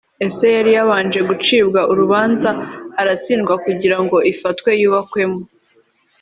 ese yari yabanje gucibwa urubanza aratsindwa kugira ngo ifatwe yubakwemo